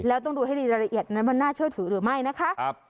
แล้วต้องดูให้ดีรายละเอียดนั้นมันน่าเชื่อถือหรือไม่นะคะ